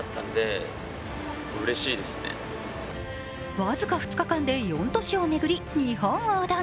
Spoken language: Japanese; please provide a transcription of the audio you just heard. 僅か２日間で４都市を巡り日本横断。